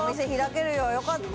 よかった！